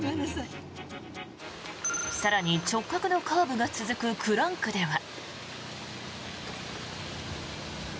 更に、直角のカーブが続くクランクでは。